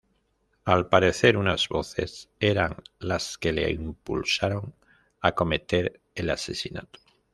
Al parecer, unas voces eran las que le impulsaron a cometer el asesinato.